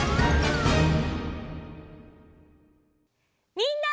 みんな！